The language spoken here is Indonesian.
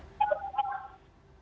sekitar tanggal berapa mas arief